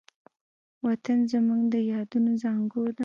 وطن زموږ د یادونو زانګو ده.